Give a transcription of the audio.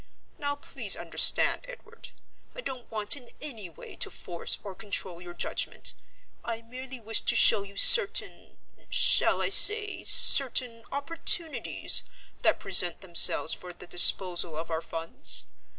Now please understand, Edward, I don't want in any way to force or control your judgment. I merely wish to show you certain shall I say certain opportunities that present themselves for the disposal of our funds?